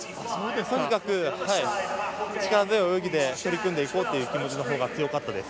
とにかく力強い泳ぎで取り組んでいこうという気持ちのほうが強かったです。